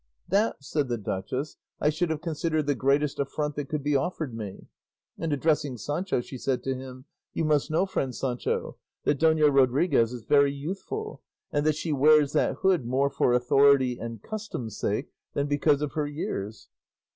"That," said the duchess, "I should have considered the greatest affront that could be offered me;" and addressing Sancho, she said to him, "You must know, friend Sancho, that Dona Rodriguez is very youthful, and that she wears that hood more for authority and custom's sake than because of her years."